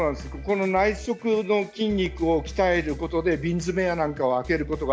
内側の筋肉を鍛えることで瓶詰を開けることが。